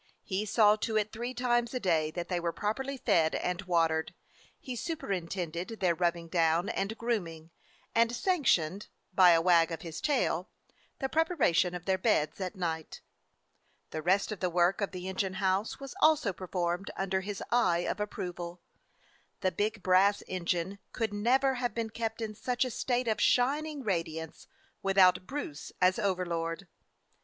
He saw to it three times a day that they were properly fed and watered, he super intended their rubbing down and grooming, and sanctioned, by a wag of his tail, the prep aration of their beds at night. The rest of the work of the engine house was also performed under his eye of approval. The big brass engine could never have been kept in such a state of shining radiance without Bruce as overlord.